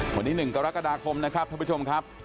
วันนี้๑กรกฎาคมนะครับท่านผู้ชมครับ